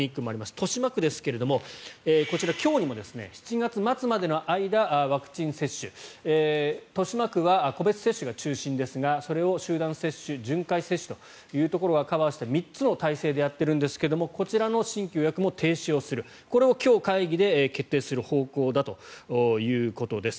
豊島区ですがこちら、今日にも７月末までの間、ワクチン接種豊島区は個別接種が中心ですがそれを集団接種、巡回接種というところをカバーして３つの体制でやっているんですがこちらの新規予約も停止するこれを今日の会議で決定する方針だということです。